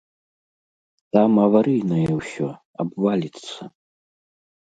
Там аварыйнае ўсё, абваліцца.